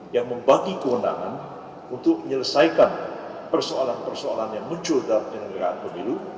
yang membagi kewenangan untuk menyelesaikan persoalan persoalan yang muncul dalam penyelenggaraan pemilu